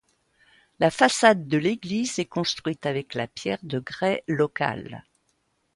La façade de l'église est construite avec la pierre de grès locale.